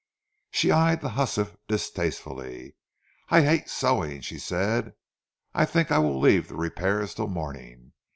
She eyed the hussif distastefully. "I hate sewing," she said. "I think I will leave the repairs till morning.